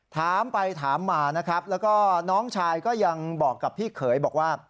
ถามไปถามมานะครับแล้วก็น้องชายก็ยังบอกกับพี่เขยบอกว่า